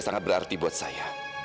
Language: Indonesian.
sangat berarti buat saya